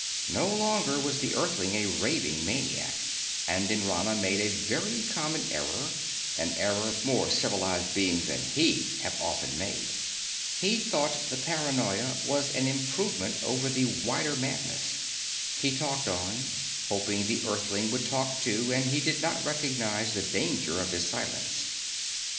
No longer was the Earthling a raving maniac, and Nrana made a very common error, an error more civilized beings than he have often made. He thought the paranoia was an improvement over the wider madness. He talked on, hoping the Earthling would talk too, and he did not recognize the danger of his silence.